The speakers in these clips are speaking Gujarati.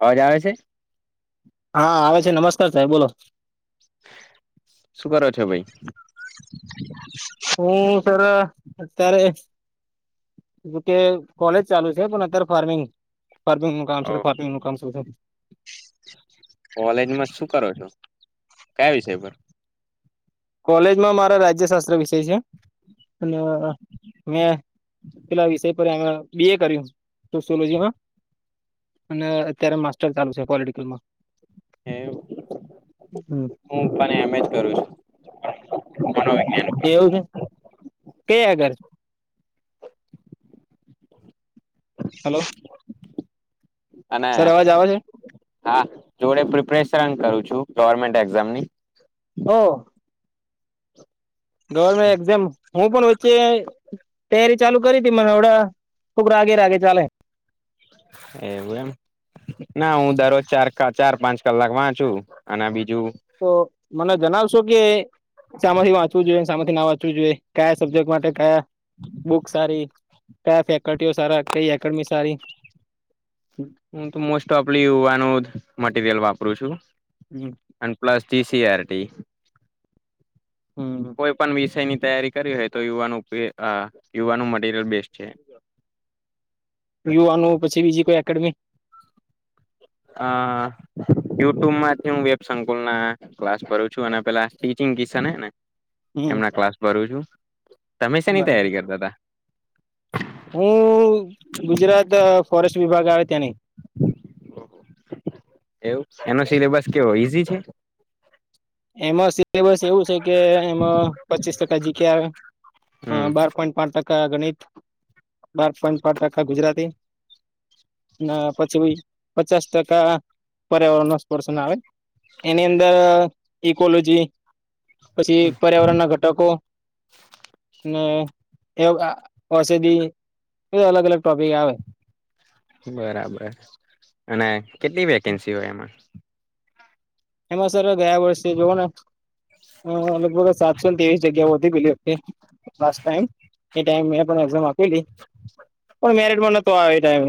અવાજ આવે છે હા આવે છે નમસ્કાર સાહેબ બોલો શું કરો છો ભાઈ હું સર અત્યારે કે કોલેજ ચાલુ છે પણ અત્યારે ફાર્મિંગ ફાર્મિંગ નું કામ ઓ છે ફાર્મિંગ નું કામ કોલેજમાં શું કરો છો કયા વિષય પર? કોલેજમાં મારા રાજ્ય શાસ્ત્ર વિષય છે. અને મે પેલા વિષય પર બી એ કર્યું, સોસયોલોજી માં, અને અત્યારે માસ્ટર ચાલુ છે પોલીટીકલ માં. [unintelligible] એમ હું પણ એમ જ કરું છું. મનોવિજ્ઞાન પર. કેવું છે? કે અગર હલો! [inaudible] અને સર અવાજ આવે છે હા, જોડે પ્રિપરેશ શન કરું છૂ. ગવર્મેન્ટ એક્ઝામની. હો, ગવર્મેન્ટ એકઝામ હું પણ તે તૈયારી ચાલુ કરી હતી મને આવડા રાગે રાગે ચાલે. એવું એમ ના હું દરરોજ ચાર કા ચાર પાંચ કલાક વાંચુ, અને બી તો મને જણાવશ શું કેય? શા માંથી વાંચવું જોઈએ? ને શા માંથી ના વાંચ વું જોઈએ? કયા સબ્જેક્ટ માટે કયા? બુક સારી, કયા ફેકલ્ટીઓ સારા? કઈ એકડમી સારી? હું તો મોસ્ટ ઓફલી યુવાનો માટે [unintelligible] વાપરું કરુ છું. હમ એન પ્લેસ ટી. સી. આર. ટી. કોઈ પણ વિષય ની તૈયારી કરી હોય તો યુવાનું અઅ યુવાનું મટીરિયલ બેસ્ટ છે. યુવા નું પછી બીજી કોઈ એક કડવી અ અ યુટ્યુબ માંથી હું વેબ સંકુલ ના ક્લાસ ભરું છું. અને પેલા સ્ટીચિંગ કિશન હેને હમ એમના ક્લાસ ભરું છું. તમે શે ની બરાબર તૈયારી કરતા હતા? જે વિભાગ આવે તેની. [unintelligible] એવું એનો સિલેબસ કેવો ઈઝી છે? [unintelligible] એમાં સિલેબસ એવું છે કે, એમાં પચીસ ટકા જીગ્યા આવે, હમ બાર પોઈન્ટ પાંચ ટકા ગણિત બાર પોઈન્ટ પાચ ટકા ગુજરાતી ના પછી પચાસ ટકા પર્યાવરણ ન સ્પર્શન આવે એની અંદર ઇકોલોજી. પછી પર્યાવરણ ના ઘટકો ને [unintelligible] ઔષધિ અલગ અલગ ટોપિક આવે. બરાબર અને કેટલી વેકેન્સી હોય આમા? એમાં સર ગયા વર્ષે જોઓ ને લગભગ સાતસો ને ત્રેવીસ જગ્યાઓ હતી પેલી લાસ્ટ ટાઈમ. એ ટાઈમ પણ મેં પણ એક્ઝામ આપ [unintelligible] પણ મેરે [unintelligible] આવે એ ટાઈમ.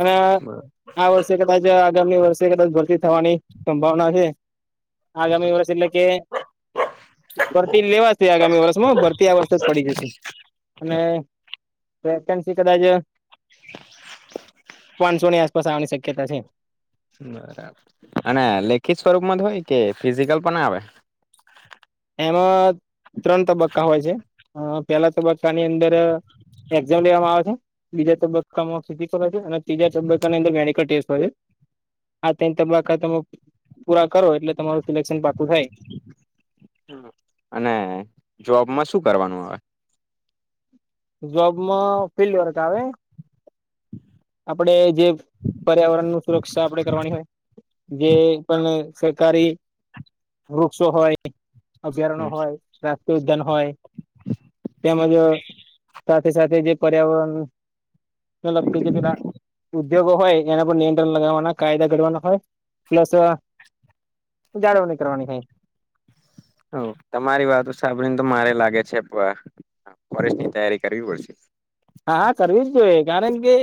અને એમાં આ વર્ષે કદાચ આગામી વર્ષે કદાચ ભરતી થવાની. સંભાવના છે. આગામી વર્ષ એટલે કે ભરતી લેવાશે આગામી વર્ષમાં ભરતી આ વર્ષે જ પડી જશે અને વેકેન્સી કદાચ પાંચસોની આસપાસ આવવાની શક્યતા છે. બરાબર અને લેખિત સ્વરૂપ માં જ હોય કે ફિઝિકલ પણ આવે? એમાં ત્રણ તબક્કા હોય છે. પેલા તબક્કાની અંદર એક્ઝામ લેવામાં આવે છે બીજા તબક્કામાં અને ત્રીજા તબક્કાની અંદર મેડિકલ ટેસ્ટ હોય છે આ તીન તબક્કા તમે પૂરા કરો એટલે તમારું સિલેક્શન પા [unintelligible] અને જોબમાં શું કરવાનું આવે? જોબમાં ફિલ્ડ વર્ક આવે આપડે જે પર્યાવરણ નું સુરક્ષા આપડે કરવાની હોય જે પણ. [inaudible] વૃક્ષો હોય અભ્યારણો આવે હોય રાષ્ટ્રીય ઉદ્યાન હોય તેમજ સાથે સાથે જે પર્યાવરણ ને લગતી કે પેલા ઉદ્યોગો હોય એને [unintelligible] નિયંત્રણ લગાવવાના કાયદા ઘડવાના હોય પ્લસ જાળવણી કરવાની હોય. હવ તમારી વાતો સાંભળીને તો મારે લાગે છે ફ ફોરેસ્ટની તૈયારી કરવી પડશે. હા હા કરવી જ જોઈએ કારણ કે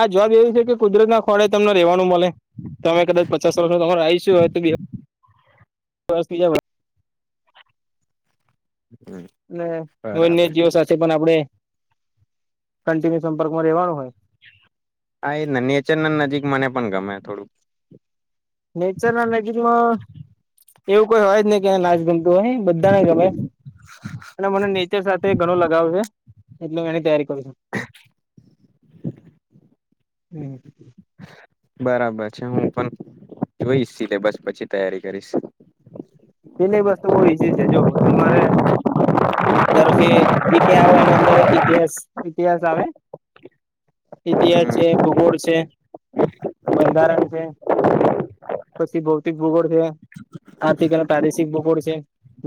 આ જોબ એવી છે કે કુદરત ના સ્થળે તમને રેવાનું મળે. તમે કદાચ પચાસ વખત તમારો આઇશું હોય. [unintelligible] હમ અને બરાબર [unintelligible] સાથે પણ આપડે કન્ટિન્યુ સંપર્કમાં રહેેવાનું હોય. હા એ ન નેચર નજીક મને પણ ગમે થોડુંક. નેચર ના નજીકમાં એવું કોઈ હોય જ નહી કે નાજ ગમતું હોય બધાને ગમે અને મને નેચર સાથે ઘણો લગાવ છે. એટલે હું એની તૈયારી કરું છું. બરાબર છે હું પણ જોઈશ સિલેબસ પછી તૈયારી કરીશ. સિલેબસ તો બહુ ઈઝી છે જો તમારે ધારો કે જીકે આવે એની અંદર ઈતિહાસ ઈતિહાસ આવે ઈતિહાસ હમ છે ભૂગોળ છે બંધારણ છે. પછી ભૌતિક ભૂગોળ છે. આર્થિક અને [unintelligible] ભૌતિક ભૂગોળ છે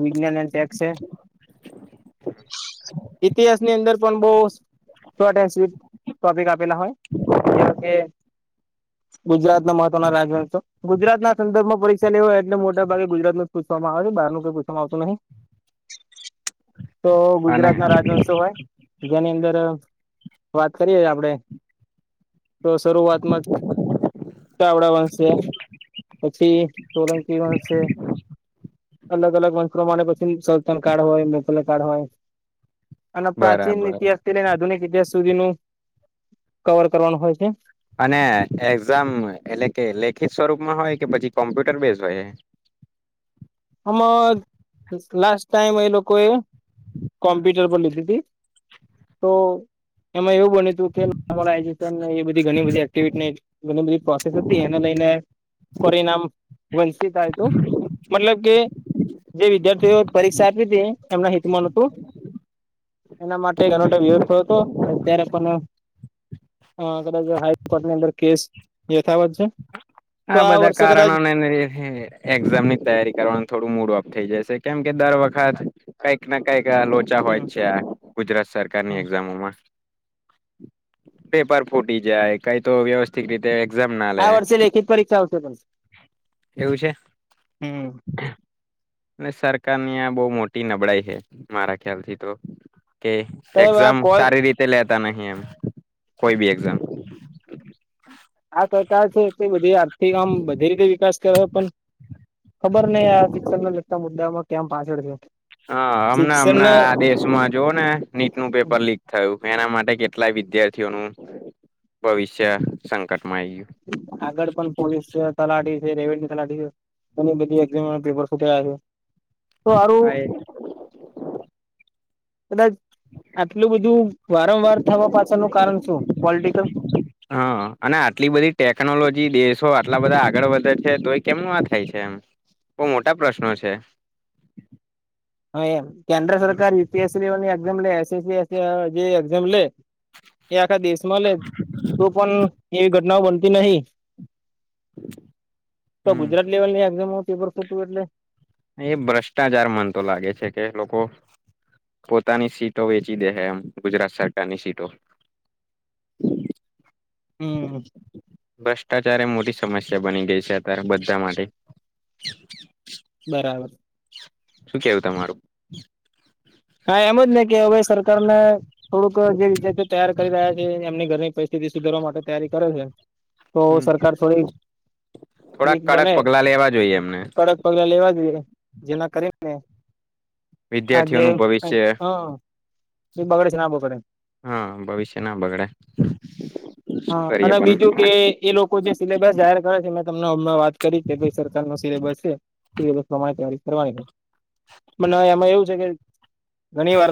વિજ્ઞાન અને ટેક્સ છે ઈતિહાસની અંદર પણ બહુ શોર્ટ એન્ડ સ્વીટ ટોપિક આપેલા હોય જેવા કે ગુજરાત ના મહત્વના રાજવંશો. ગુજરાત ના સંદર્ભમાં પરીક્ષા લેવાય એટલે મોટા ભાગે ગુજરાત નુંજ પૂછવામાં આવે છે બહાર નું કઈ પૂછવામાં આવતું નહિ. તો અને ગુજરાત ના રાજવંશો હોય. જેની અંદર વાત કરીએ આપડે તો શરૂઆતમાં જ [unintelligible] વંશ છે. પછી સોલંકી વંશ છે અલગ અલગ વંશ પ્રમાણે પછી સલ્તન કાર્ડ હોય અલગ અલગ કાર્ડ હોય. અને પ્રાચીન બરાબર ઇતિહાસથી લઈને આધુનિક ઇતિહાસ સુધી નું કવર કરવાનું હોય છે. અને એગ્ઝામ એટલે કે લેખિત સ્વરૂપમાં હોય કે પછી કોમ્પ્યુટર બેઝ હોય. આમાં લાસ્ટ ટાઈમ એ લોકોએ કોમ્પ્યુટર પર લીધી તી તો એમાં એવું બની્યું તું કુ [inaudible] એવી બધી ઘણી બધી એક્ટિવિટી ને ઘણી બધી પ્રોસેસિસ બી એને લઈને ને પરિણામ વંચિત આવ્યું તું મતલબ કે જે વિદ્યાર્થીઓ પરીક્ષા આપી તી એમના હિતમાં નતું એના માટે ઘણો વિરોધ થયો તો અત્યારે પણ આ કદાચ હાઈકોર્ટની અંદર કેસ યથાવત છે. તો આ બધા વર્ષે કદાચ કારણોને [inaudible] એક્ઝામ ની તૈયારી કરવાન થોડું મૂડ ઓપ થઈ જશે કેમ કે દર વખત કઈક ને કઈક આ લોચા હમ હોય જ છે આ ગુજરાત સરકારની હમ એક્ઝામોમાં. પેપર ફૂટી જાય કઈ તો વ્યવસ્થિત રીતે એકઝમ ના આ લેે વર્ષે લેખિત પરીક્ષા આવશે પણ હમ્મ. અને સરકારની આ બહુ મોટી નબળાઈ છે મારા ખ્યાલથી તો. કે સાહેબ આ એક્ઝામ કોલ સારી રીતે લે [unintelligible] નહી એમ કોઈ બી એક્ઝામ આ સરકાર છે તે બધી આ તે આમ બધી રીતે વિકાસ કરે પણ ખબર નહીં આ શિક્ષણના લગતા મુદ્દામાં કેમ પાછળ છે. હા હમણા ને શિક્ષણ હમણાં આ દેશમાં જોવો ને નીટ નું પેપર લીક થયું. મે એના માટે કેટલા વિદ્યાર્થીઓ નું ભવિષ્ય સંકટ આગળ પણ પોલીસ છે તલાટી છે રેવન્યુ તલાટી અને બધી એકજામ પેપર ફુટયા છે. તો આરૂ ગયું કદાચ આટલું બધું વારંવાર થવા પાછળ નુ કારણ શું પોલિટિકલ. હા અને આટલી બધી ટેકનોલોજી દેશો આટલા બધા આગળ વધે છે. તો એ કેમ નું આ થાય છે. એમ બહુ મોટા પ્રશ્નો છે. હા, એમ કેન્દ્ર સરકાર યુપીએસસી લેવલ ની એક્ઝામ [unintelligible] જે એક્ઝામ લે આખા દેશમાં લે તો પણ એવી. ના મલતી નહી. તો હમ ગુજરાત લેવલ ની એક્ઝામ નુ પેપર ફુટવુ એટલે. એ ભ્રષ્ટાચાર મન તો લાગે છે કે લોકો પોતાની સીટો વેચી દે છે. એમ ગુજરાત સરકાર ની સીટો હમ ભ્રષ્ટાચારે, મોદી સાથે સમસ્યા બની ગઈ છે. અત્યારે બધા માટે બરાબર શું કેવું તમારું હા એમજ ને કે હવે રાજય સરકાર ને થોડુંક જે વિદ્યાર્થીઓ તૈયાર કરી રહ્યા છે એમની ઘરની પરિસ્થિતિ સુધરવા માટે ની તૈયારી કરે છે. તો હમ સરકાર થોડી થોડાક વીક કડક બને પગલા લેવા જોઈએ એમને કડક પગલા લેવા જોઈએ. જેના કરીને. વિદ્યાર્થી ઓ નું ભવિષ્ય, હા, તે બગડે છેના બગડે હા ભવિષ્ય ના બગડે શું હા, કરીએ અને પણ બીજું કે એ લોકો જે સિલેબસ જાહેર કરે છે. એ તમને, હમણા વાત કરી કે ભાઈ સરકાર નો સિલેબસ છે સિલેબસ પ્રમાણે ત્યારી કરવાની મન એમાં એવું છે કે ઘણી વાર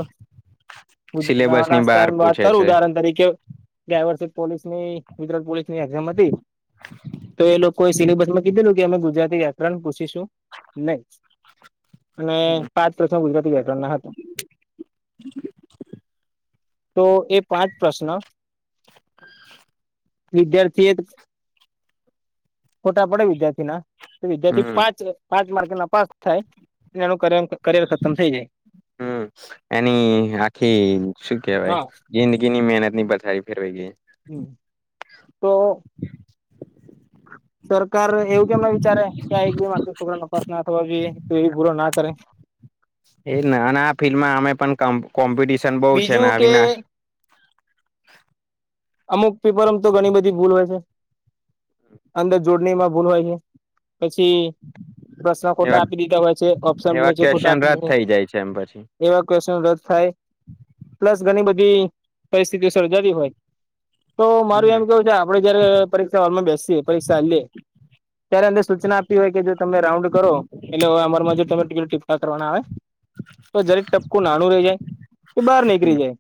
લ સિલેબસ ની લાસ્ટ બહાર ટાઈમ વાત પૂછે કરુ છે ઉદાહરણ તરીકે ગયા વર્ષે પોલીસની ગુજરાત પોલીસ ની એક્ઝામ હતી તો એ લોકોએ સિલેબસ માં કીધેલું કે અમે ગુજરાતી યાત્રા ને પૂછીશું નહી અને પાંચ પ્રસમ ગુજરાતી [unintelligible] ના હતા તો એ પાંચ પ્રશ્ન [inaudible] વિદ્યાર્થી એ ખોટા પડે વિદ્યાર્થી ના વિદ્યાર્થી હમ પાંચ પાંચ [unintelligible] નપાસ થાય એનું [unintelligible] થઈ જાય હમ એની આખી શું કેવાય હા જિંદગી ની મહેનત. ની [unintelligible] ફેરવાઈ. હમ તો સરકાર એવું કેમ ના વિચારે કે આ એક બી મારતો છોકરા તપાસ ના થવા બી એ પૂરો ના કરે. એ ના ના ફિલ્ડમાં અમે પણ કોમ્પ બીજું કે અમુક પેપર [unintelligible] તો ઘણી બધી ભૂલ હોય છે, અંદર જોડણીમાં ભૂલ હોય છે. પછી પ્રશ્ન ખોટા એવા આપી દીધા હોય છે, ઓપ્શન એવા [unintelligible] છે, ખોટા ક્વેશ્ચન આપી રદ દીધ થઈ જાય છે એમ પછી એવા [unintelligible] રદ થાય. પ્લસ ઘણી બધી [unintelligible] પરિસ્થિતિ સર્જાવી હોય. તો મારું હમ એમ કેવું છે, આપડે જયારે પરીક્ષા હોલમાં બેસીએ પરીક્ષા [unintelligible] ત્યારે અંદર સૂચના આપતી હોય કે જો તમે રાઉન્ડ કરો એટલે અમારમાં તમે [unintelligible] કરના આવે તો જરીક ટપકું [unintelligible] રહી જાય કે બહાર હમ નીકળી જાય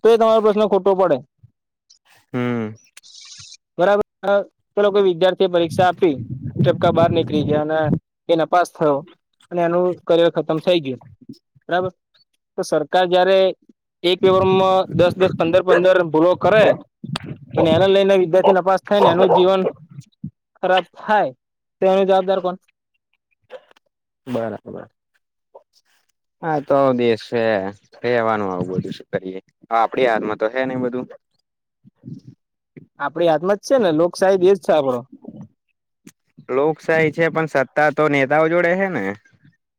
તો એ તમારો પ્રશ્ન ખોટો પડે. હમ બરાબર તો [unintelligible] વિદ્યાર્થી પરીક્ષા આપી ટપકા બાર નીકળી ગયા અને એને પાસ થયો અને એનું કરિયર ખતમ થઈ ગયો બરાબર તો સરકાર જયારે એક પેપરમાં દસ દસ પંદર પંદર પૂરો કરે અને એને લઈને વિદ્યાર્થી નપાસ થાય ને એનું જીવન ખરાબ થાય તેની જવાબદાર કોણ. બરાબર હા તો દસ છે, કેવાનું આવું બધું શ કરીએ આપડી [unintelligible] તો છેે, ને બધું આપડી હાથમાં જ છે, ને લોકશાહી એજ છે, આપણો. લોકશાહી છે પણ સત્તા તો નેતાઓ જોડે [unintelligible] ને,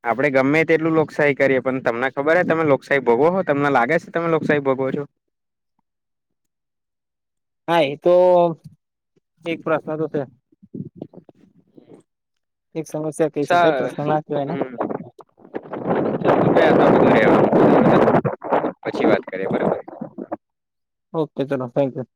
આપડે ગમે તેટલું લોકશાહી કરીએ પણ તમને ખબર [unintelligible] તમે લોકશાહી ભોગવો તમને લાગે છે, તમે લોકશાહી ભોગવો છો. હા તો એક પ્રશ્ન તો છે. એક સમસ્યા કહી શકાય સા [inaudible] પ્રશ્ન ના કહેવાય ને [inaudible] પછી વાત કરીએ બરોબર. ઓકે ચલો થૅન્ક યૂ.